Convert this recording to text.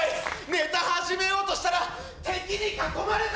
ネタ始めようとしたら敵に囲まれた！